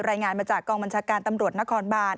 รายงานมาจากกองบัญชาการตำรวจนครบาน